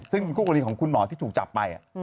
ซึ่งเป็นคู่กรณีของคุณหมอที่ถูกจับไป